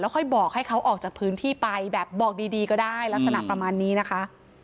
ค่อยบอกให้เขาออกจากพื้นที่ไปแบบบอกดีก็ได้ลักษณะประมาณนี้นะคะ